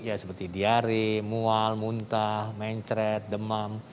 ya seperti diare mual muntah mencret demam